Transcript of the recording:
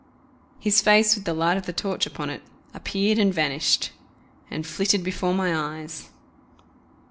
His face with the light of the torch upon it appeared and vanished, and flitted before my eyes.